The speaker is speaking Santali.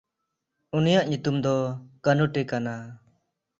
ᱩᱱᱤᱭᱟᱜ ᱧᱩᱛᱩᱢ ᱫᱚ ᱠᱟᱱᱩᱴᱮ ᱠᱟᱱᱟ᱾